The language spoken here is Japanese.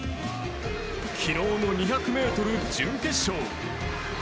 昨日の２００ｍ準決勝。